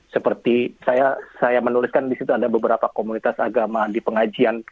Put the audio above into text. seperti saya menuliskan di situ ada beberapa komunitas agama di pengajian